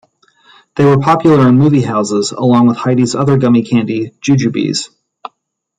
They were popular in movie houses along with Heide's other gummy candy, Jujubes.